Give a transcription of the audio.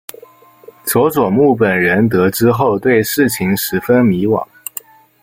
佐佐木本人得知后对事情十分迷惘。